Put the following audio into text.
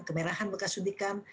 kemerahan bekas undikan